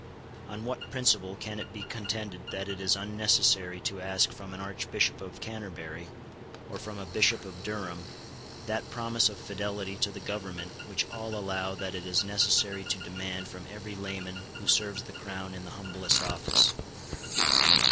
On what principle can it be contended that it is unnecessary to ask from an Archbishop of Canterbury or from a Bishop of Durham that promise of fidelity to the government which all allow that it is necessary to demand from every layman who serves the Crown in the humblest office.